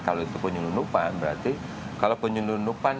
kalau itu penyelundupan berarti kalau penyelundupan